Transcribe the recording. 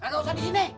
gak usah di sini